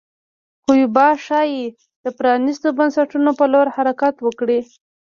کیوبا ښايي د پرانیستو بنسټونو په لور حرکت وکړي.